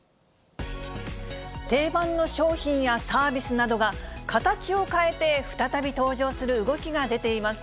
定番の商品やサービスなどが、形を変えて再び登場する動きが出ています。